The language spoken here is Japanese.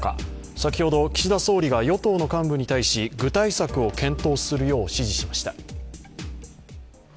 先ほど岸田総理が与党の幹部に対し具体策を検討するよう指示しました。